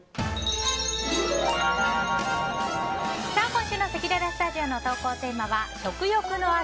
今週のせきららスタジオの投稿テーマは食欲の秋！